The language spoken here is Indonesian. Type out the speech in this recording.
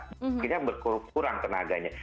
mungkinnya berkurang tenaganya